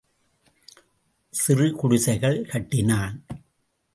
சிறு குடிசைகள் கட்டினான்.